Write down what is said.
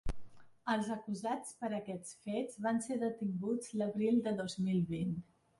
Els acusats per aquests fets, van ser detinguts l’abril de dos mil vint.